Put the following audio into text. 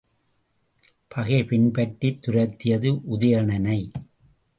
பகை பின்பற்றித் துரத்தியது உதயணனை.